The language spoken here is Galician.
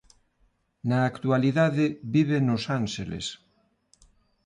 Na actualidade vive nos Ánxeles.